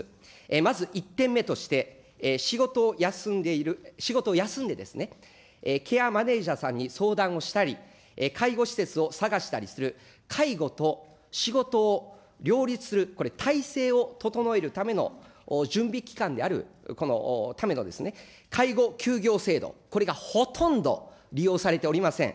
まず１点目として、仕事を休んでいる、仕事を休んでですね、ケアマネージャーさんに相談したり、介護施設を探したりする、介護と仕事を両立する、これ体制を整えるための準備期間である、このための、介護休業制度、これがほとんど利用されておりません。